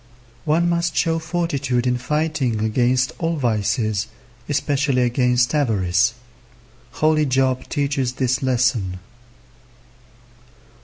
One must show fortitude in fighting against all vices, especially against avarice. Holy Job teaches this lesson.